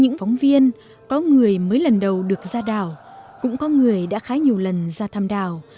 những phóng viên có người mới lần đầu được ra đảo cũng có người đã khá nhiều lần ra thăm đảo